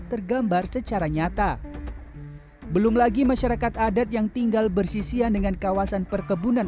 tergambar secara nyata belum lagi masyarakat adat yang tinggal bersisian dengan kawasan perkebunan